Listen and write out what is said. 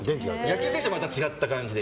野球選手はまた違った感じで。